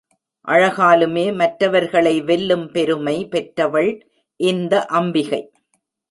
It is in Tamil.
அழகாலுமே மற்றவர்களை வெல்லும் பெருமை பெற்றவள் இந்த அம்பிகை.